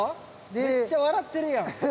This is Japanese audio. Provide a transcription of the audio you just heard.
めっちゃ笑ってるやん。